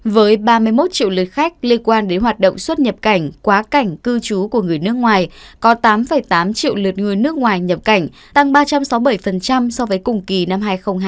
với ba mươi một triệu lượt khách liên quan đến hoạt động xuất nhập cảnh quá cảnh cư trú của người nước ngoài có tám tám triệu lượt người nước ngoài nhập cảnh tăng ba trăm sáu mươi bảy so với cùng kỳ năm hai nghìn hai mươi hai